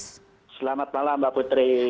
selamat malam mbak putri